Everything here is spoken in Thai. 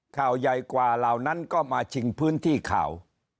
ข่าวใหญ่กว่าเหล่านั้นก็มาชิงพื้นที่ข่าว